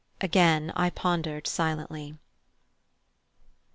Again I pondered silently.